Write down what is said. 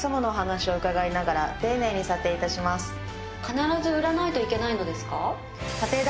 必ず売らないといけないのですか？